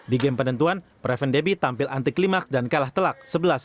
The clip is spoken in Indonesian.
di game penentuan preven deby tampil anti klimak dan kalah telak sebelas dua puluh satu